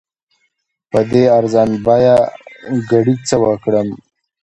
په دې ارزان بیه ګړي څه وکړم؟